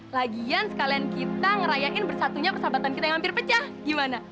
lagian sekalian kita ngerayain bersatunya persahabatan kita yang hampir pecah gimana